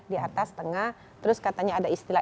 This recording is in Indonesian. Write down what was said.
di atas tengah terus katanya ada istilah